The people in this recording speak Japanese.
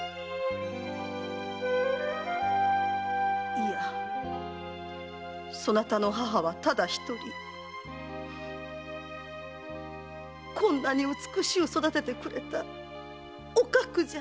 いやそなたの母はただ一人こんなに美しゅう育ててくれたおかくじゃ！